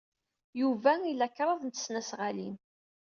Yuba ila kraḍt n tesnasɣalin.